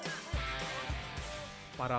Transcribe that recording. dan mereka mencoba memasuki lapangan